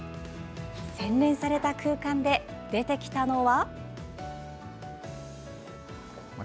洗練された空間で出てきたのは。